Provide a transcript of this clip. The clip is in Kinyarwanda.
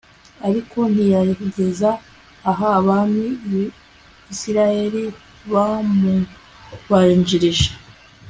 ariko ntiyageza ah abami ba Isirayeli bamubanjirije